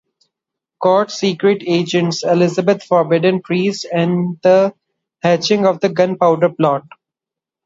"God's Secret Agents; Elizabeths Forbidden Priests and the Hatching of the Gunpowder Plot".